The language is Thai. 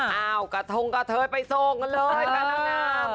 เอ้ากระทงกระเทยไปส่งกันเลยแม่น้ำ